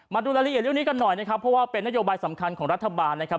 มาดูรายละเอียดเรื่องนี้กันหน่อยนะครับเพราะว่าเป็นนโยบายสำคัญของรัฐบาลนะครับ